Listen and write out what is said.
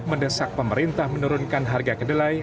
mendesak pemerintah menurunkan harga kedelai